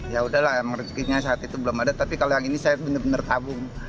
ya udahlah emang rezekinya saat itu belum ada tapi kalau yang ini saya benar benar tabung